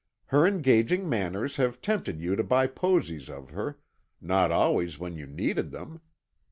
Her engaging manners have tempted you to buy posies of her, not always when you needed them.